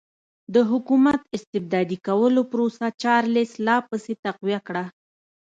د حکومت استبدادي کولو پروسه چارلېس لا پسې تقویه کړه.